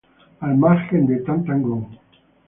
Al margen de "Tam Tam Go!